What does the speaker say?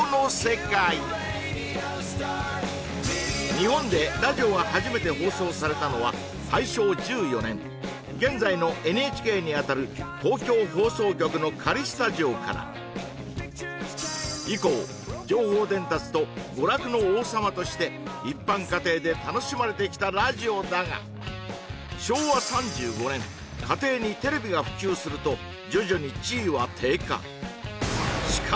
日本でラジオが初めて放送されたのは大正１４年現在のＮＨＫにあたる東京放送局の仮スタジオから以降情報伝達と娯楽の王様として一般家庭で楽しまれてきたラジオだがすると徐々に地位は低下